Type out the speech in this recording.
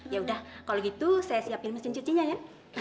yaudah kalau gitu saya siapin mesin cucinya ya